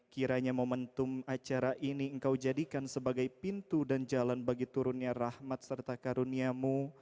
kiranya momentum acara ini engkau jadikan sebagai pintu dan jalan bagi turunnya rahmat serta karuniamu